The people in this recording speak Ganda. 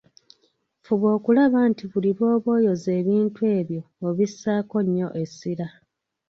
Fuba okulaba nti buli lw'oba oyoza ebitundu ebyo obissaako nnyo essira.